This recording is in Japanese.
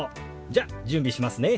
じゃ準備しますね。